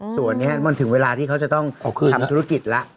ส่วนนี้มันถึงเวลาที่เขาจะต้องทำธุรกิจแล้ว